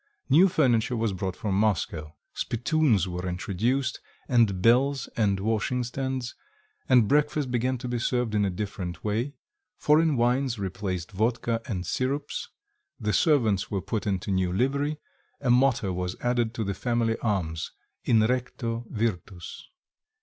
New furniture was brought from Moscow; spittoons were introduced, and bells and washing stands; and breakfast began to be served in a different way; foreign wines replaced vodka and syrups; the servants were put into new livery; a motto was added to the family arms: in recto virtus...